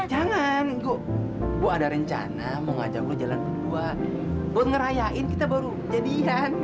jangan gua ada rencana mau ngajak lu jalan kedua buat ngerayain kita baru jadian ya kan